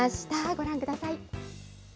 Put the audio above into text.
ご覧ください。